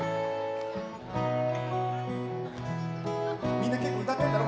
みんな結構歌ってんだろ？